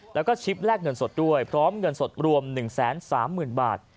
แล้วก็ชิปแลกเงินสดด้วยพร้อมเงินสดรวม๑๓๐๐๐บาท